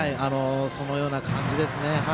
そのような感じですね。